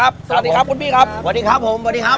ครับที่ครับผมก็ได้ครับ